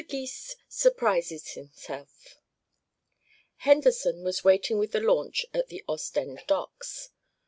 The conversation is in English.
GYS SURPRISES HIMSELF Henderson was waiting with the launch at the Ostend docks.